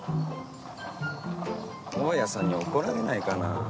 大家さんに怒られないかなあ。